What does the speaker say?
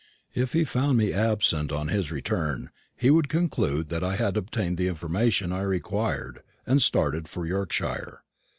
If he found me absent on his return, he would conclude that I had obtained the information I required and started for Yorkshire.